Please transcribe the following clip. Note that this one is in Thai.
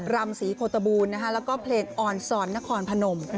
รำศรีโคตบูลแล้วก็เพลงออนซอนนครพนม